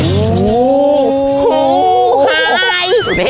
โอ้โฮฮูหาอะไร